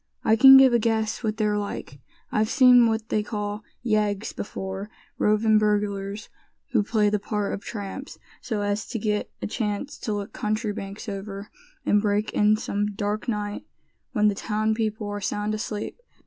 I can give a guess what they're like. I've seen what they call yeggs before now, roving burglars who play the part of tramps, so as to get a chance to look country banks over, and break in some dark night, when the town people are sound asleep.